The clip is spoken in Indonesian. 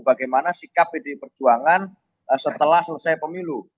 bagaimana sikap pdi perjuangan setelah selesai pemilu